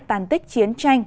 tàn tích chiến tranh